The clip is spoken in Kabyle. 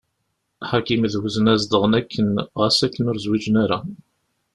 Ḥakim d Wezna zedɣen akken xas akken ur zwiǧen ara.